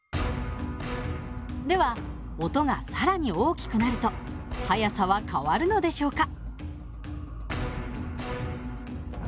では音が更に大きくなると速さは変わるのでしょうか？